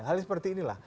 halnya seperti inilah